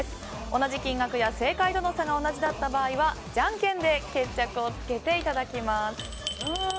同じ金額や正解との差が同じならじゃんけんで決着をつけていただきます。